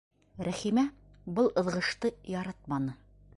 Рәхимә был ыҙғышты яратманы.